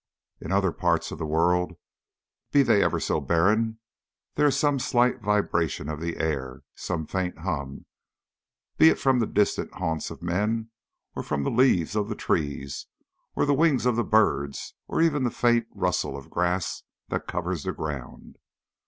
In other parts of the world, be they ever so barren, there is some slight vibration of the air some faint hum, be it from the distant haunts of men, or from the leaves of the trees, or the wings of the birds, or even the faint rustle of the grass that covers the ground.